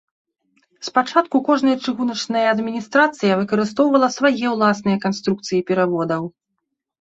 Спачатку кожная чыгуначная адміністрацыя выкарыстоўвала свае ўласныя канструкцыі пераводаў.